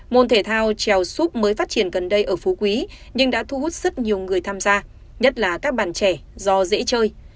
môn thể thao trèo súp mới phát triển gần đây ở phú quý nhưng đã thu hút rất nhiều người tham gia nhất là các bạn trẻ do dễ chơi